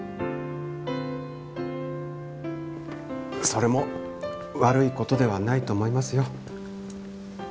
それも悪いことではないと思いますよ。